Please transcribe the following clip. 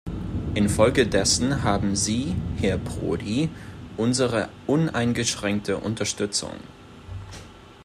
Infolgedessen haben Sie, Herr Prodi, unsere uneingeschränkte Unterstützung.